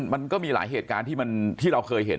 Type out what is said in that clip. มันก็มีหลายเหตุการณ์ที่เราเคยเห็น